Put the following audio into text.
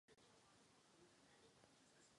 K této myšlence se o několik let později ještě vrátil.